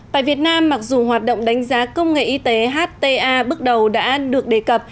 tại việt nam mặc dù hoạt động đánh giá công nghệ y tế hta bước đầu đã được đề cập